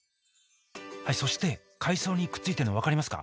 そして海藻にくっついてるの分かりますか？